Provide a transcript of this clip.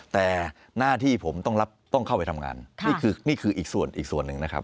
แต่หน้าที่ผมต้องเข้าไปทำงานนี่คืออีกส่วนหนึ่งนะครับ